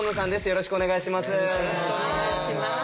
よろしくお願いします。